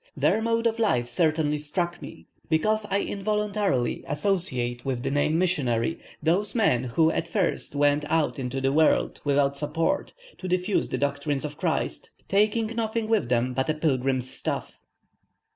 Their mode of life certainly struck me, because I involuntarily associate with the name "missionary" those men who at first went out into the world, without support, to diffuse the doctrines of Christ, taking nothing with them but a pilgrim's staff.